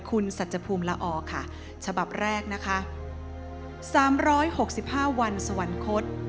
คุณสัจจภูมิละอค่ะฉบับแรกนะคะสามร้อยหกสิบห้าวันสวรรคต